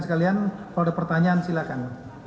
kalau ada pertanyaan silakan